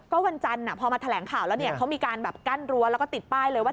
ก็วันจันทร์พอมาแถลงข่าวแล้วเนี่ยเขามีการแบบกั้นรั้วแล้วก็ติดป้ายเลยว่า